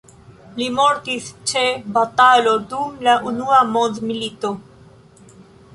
Li mortis ĉe batalo dum la unua mondmilito.